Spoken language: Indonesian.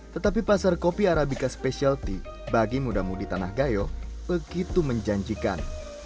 tetapi pasar kopi arabica specialty bagi muda mudi tanah gayo begitu menjanjikan